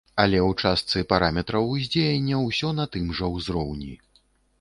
Але ў частцы параметраў уздзеяння ўсё на тым жа ўзроўні.